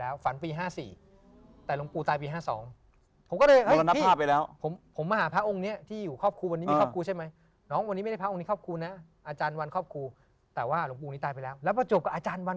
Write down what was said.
แต่ว่าหนุ่งปูองค์นี้ตายไปแล้วแล้วพอจบกับอาจารย์วัน